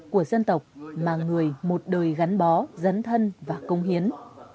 của dân tộc mà người một đời gắn bó dấn thân và công hiến